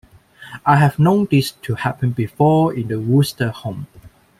I have known this to happen before in the Wooster home.